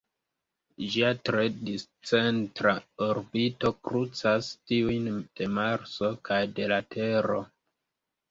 Ĝia tre discentra orbito krucas tiujn de Marso kaj de la Tero.